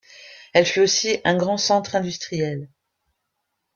Elle fut aussi un grand centre industriel.